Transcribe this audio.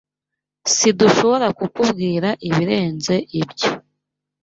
Sidushobora kukubwira ibirenze ibyo.